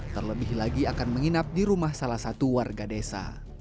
terlebih lagi akan menginap di rumah salah satu warga desa